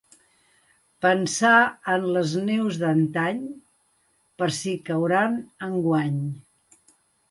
Pensar en les neus d'antany, per si cauran enguany.